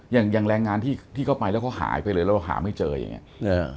อย่างอย่างแรงงานที่เขาไปแล้วเขาหายไปเลยแล้วเราหาไม่เจออย่างนี้